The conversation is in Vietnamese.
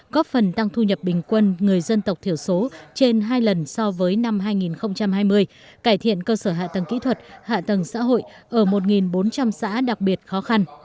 góp phần tăng thu nhập bình quân người dân tộc thiểu số trên hai lần so với năm hai nghìn hai mươi cải thiện cơ sở hạ tầng kỹ thuật hạ tầng xã hội ở một bốn trăm linh xã đặc biệt khó khăn